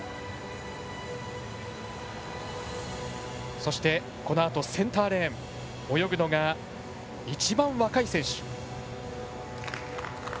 そして、このあとセンターレーン泳ぐのが、一番若い選手。